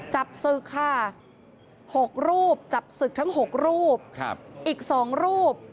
จับศึกค่ะ๖รูปจับศึกทั้ง๖รูปอีก๒รูป